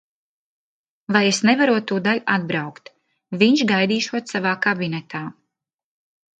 Vai es nevarot tūdaļ atbraukt, viņš gaidīšot savā kabinetā.